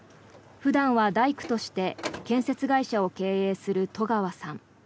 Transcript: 普段は大工として建設会社を経営する戸川さん。